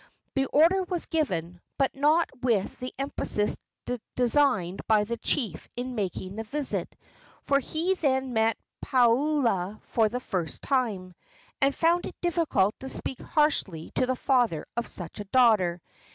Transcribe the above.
The order was given, but not with the emphasis designed by the chief in making the visit, for he then met Palua for the first time, and found it difficult to speak harshly to the father of such a daughter.